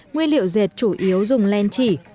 nguyên liệu dệt chủ yếu dùng len chỉ